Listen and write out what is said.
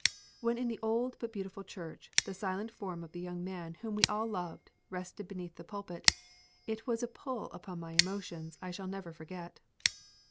When in the old but beautiful church the silent form of the young man whom we all loved rested beneath the pulpit, it was a pull upon my emotions I shall never forget.